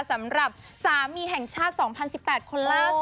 สำหรับสามีแห่งชาติ๒๐๑๘คนล่าสุด